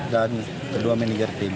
yang kedua manajer tim